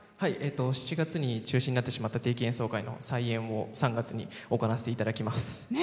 ７月に中止になってしまった定期演奏会の再演を３月に行わせていただきます。